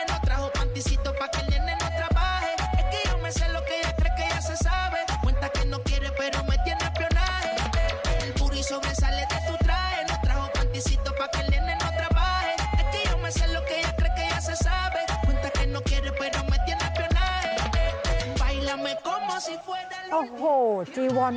โอ้โหจีวอนปลิวเลยคุณผู้ชม